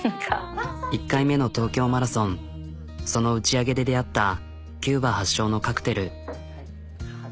１回目の東京マラソンその打ち上げで出会ったキューバ発祥のカクテル。